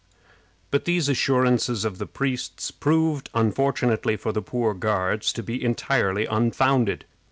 But these assurances of the priests proved, unfortunately for the poor Guards, to be entirely unfounded.